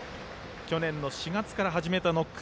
去年の４月から始めたノック。